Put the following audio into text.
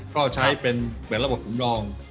ก็ใช้เป็นเหมือนระบบขุนรอง